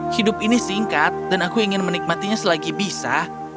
hidup ini singkat dan aku ingin menikmatinya selagi bisa